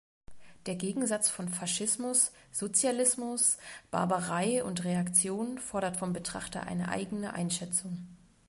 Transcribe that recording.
Der Gegensatz von Faschismus, Sozialismus, Barbarei und Reaktion fordert vom Betrachter eine eigene Einschätzung.